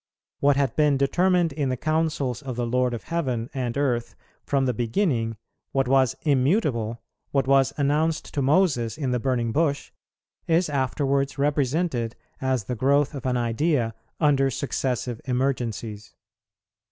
What had been determined in the counsels of the Lord of heaven and earth from the beginning, what was immutable, what was announced to Moses in the burning bush, is afterwards represented as the growth of an idea under successive emergencies.